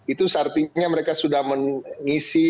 itu artinya mereka sudah mengisi